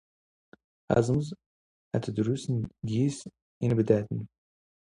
ⴰⵣⵎⵣ ⴰⴷ ⴷⵔⵓⵙⵏ ⴳⵉⵙ ⵉⵏⴱⴷⴰⴷⵏ.